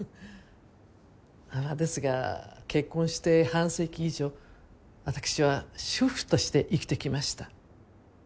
ですが結婚して半世紀以上私は主婦として生きてきました。